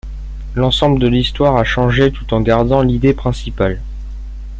L'ensemble de l'histoire a changé tout en gardant l'idée principale.